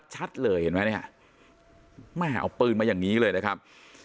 ชัดเลยเห็นไหมเอาปืนมาอย่างนี้เลยนะครับ